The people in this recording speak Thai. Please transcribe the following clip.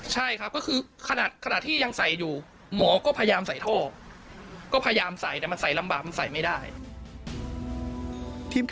ทีมข่าวจึงได้เดินทางไปที่บ้านกำนันแต่ก็ไม่พบ